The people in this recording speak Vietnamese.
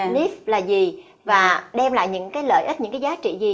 nif là gì và đem lại những lợi ích những giá trị gì